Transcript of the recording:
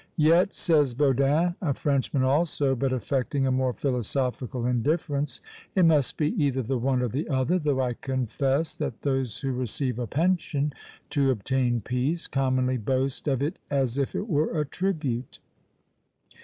"Yet," says Bodin, a Frenchman also, but affecting a more philosophical indifference, "it must be either the one or the other; though I confess, that those who receive a pension to obtain peace, commonly boast of it as if it were a tribute!"